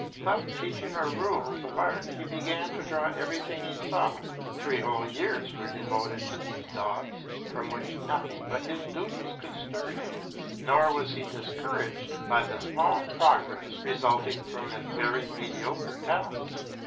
Without teaching or rules of art he began to draw everything he saw. Three whole years were devoted to these daubs, from which nothing but his duties could stir him, nor was he discouraged by the small progress resulting from his very mediocre talents.